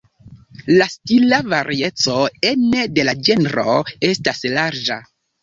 La stila varieco ene de la ĝenro estas larĝa.